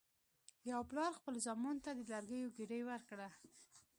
یو پلار خپلو زامنو ته د لرګیو ګېډۍ ورکړه.